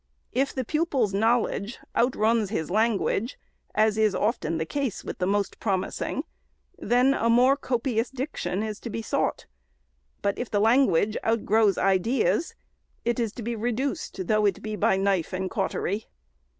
If the pupil's knowledge outruns his lan guage, — as is often the case with the most promising, — then a more copious diction is to be sought ; but if lan guage overgrows ideas, it is to be reduced, though it be by knife and cautery.